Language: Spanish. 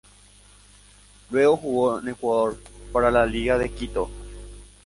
Luego jugó en Ecuador, para la Liga de Quito.